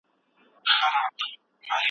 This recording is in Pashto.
يار مې پښتون دی مرور به شي مئينه